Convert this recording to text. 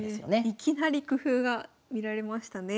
いきなり工夫が見られましたね。